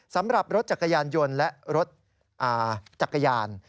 สำหรับรถจักรยานยนต์และรถจักรยาน